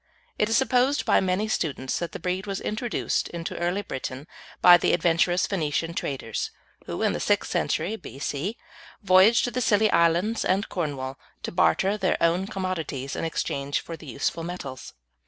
It is supposed by many students that the breed was introduced into early Britain by the adventurous Phoenician traders who, in the sixth century B.C., voyaged to the Scilly Islands and Cornwall to barter their own commodities in exchange for the useful metals.